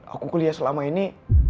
aku kuliah selama ini